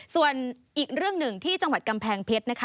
ส่วนอีกเรื่องหนึ่งที่จังหวัดกำแพงเพชรนะคะ